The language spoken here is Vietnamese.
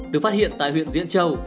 được phát hiện tại huyện diễn châu